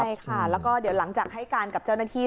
ใช่ค่ะแล้วก็เดี๋ยวหลังจากให้การกับเจ้าหน้าที่